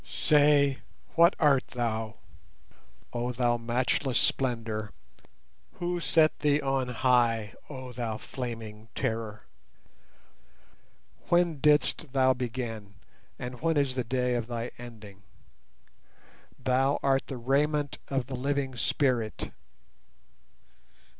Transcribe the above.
Say, what art Thou, oh Thou matchless Splendour— Who set Thee on high, oh Thou flaming Terror? When didst Thou begin, and when is the day of Thy ending? Thou art the raiment of the living Spirit.